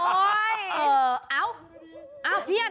โอ๊ยเอ่อเอ้าเอ้าเพี้ยน